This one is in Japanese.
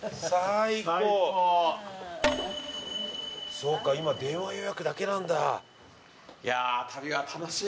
そうか今電話予約だけなんだ。